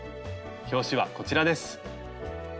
表紙はこちらです。